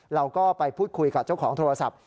เราก็ไปพูดคุยกับเจ้าของโทรศัพท์